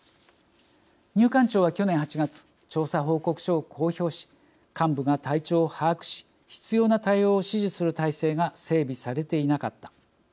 入管庁は去年８月調査報告書を公表し幹部が体調を把握し必要な対応を指示する体制が整備されていなかった。